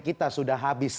kita sudah habis